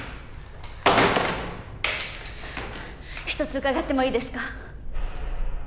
一つ伺ってもいいですか？